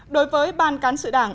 đối với ban cán sự đảng